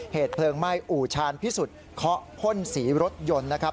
เหตุเพลิงไหม้อู่ชาญพิสุทธิ์เคาะพ่นสีรถยนต์นะครับ